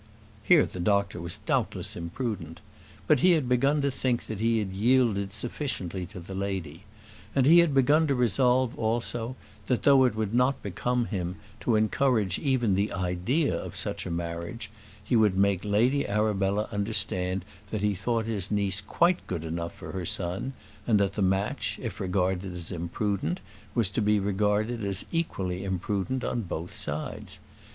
Here the doctor was doubtless imprudent. But he had begun to think that he had yielded sufficiently to the lady; and he had begun to resolve, also, that though it would not become him to encourage even the idea of such a marriage, he would make Lady Arabella understand that he thought his niece quite good enough for her son, and that the match, if regarded as imprudent, was to be regarded as equally imprudent on both sides.